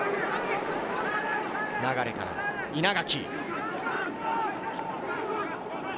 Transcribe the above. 流から稲垣。